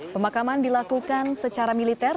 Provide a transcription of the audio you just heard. pemakaman dilakukan secara militer